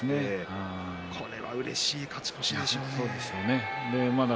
これはうれしい勝ち越しでしょうね。